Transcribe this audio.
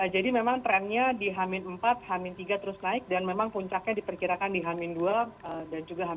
jadi memang trendnya di h empat h tiga terus naik dan memang puncaknya diperkirakan di h dua dan juga h satu